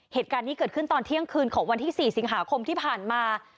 เหตุการณ์นี้เกิดขึ้นตอนเที่ยงคืนของวันที่๔สิงหาคมที่ผ่านมา